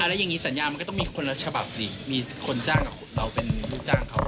แล้วอย่างนี้สัญญามันก็ต้องมีคนละฉบับสิมีคนจ้างเราเป็นลูกจ้างเขา